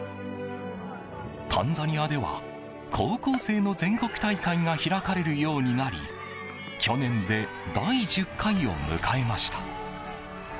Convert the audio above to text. タンザニアでは、高校生の全国大会が開かれるようになり去年で第１０回を迎えました。